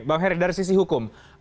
bang heri dari sisi hukum